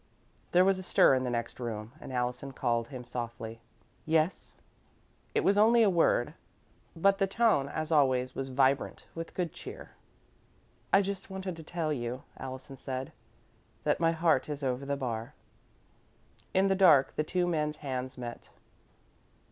There was a stir in the next room, and Allison called him, softly. "Yes?" It was only a word, but the tone, as always, was vibrant with good cheer. "I just wanted to tell you," Allison said, "that my heart is over the bar." In the dark, the two men's hands met.